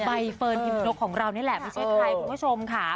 ใบเฟิร์นพิมนกของเรานี่แหละไม่ใช่ใครคุณผู้ชมค่ะ